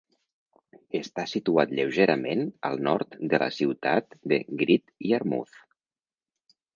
Està situat lleugerament al nord de la ciutat de Great Yarmouth.